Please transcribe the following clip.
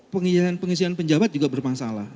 pengisian pengisian penjabat juga bermasalah